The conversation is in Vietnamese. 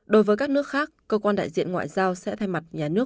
đối với các nước khác cơ quan đại diện ngoại giao sẽ thay mặt nhà nước